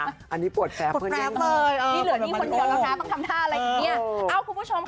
ภาพแบบนี้ด้วยน่ะ